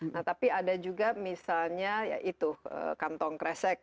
nah tapi ada juga misalnya kantong kresek